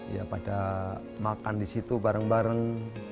ya pada makan di situ bareng bareng